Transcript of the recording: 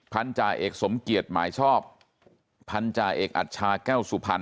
จ่าเอกสมเกียจหมายชอบพันธาเอกอัชชาแก้วสุพรรณ